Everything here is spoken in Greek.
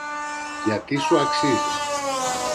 γιατί σου αξίζει.